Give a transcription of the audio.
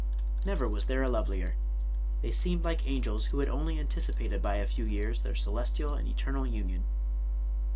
Never was there a lovelier, — ^they seemed like 173 Irish Mystery Stories angels who had only anticipated by a few years their celes tial and eternal union.